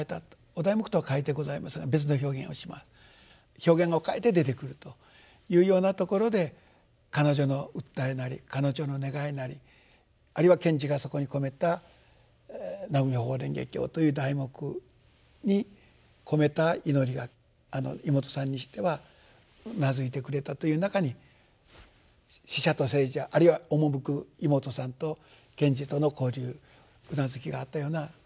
表現を変えて出てくるというようなところで彼女の訴えなり彼女の願いなりあるいは賢治がそこに込めた「南無妙法蓮華経」という題目に込めた祈りが妹さんにしてはうなずいてくれたという中に死者と生者あるいは赴く妹さんと賢治との交流うなずきがあったような。